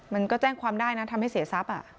มันก็แจ้งความได้นะทำให้เสียทรัพย์